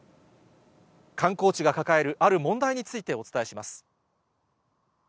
観光地が抱えるある問題についてお伝えします。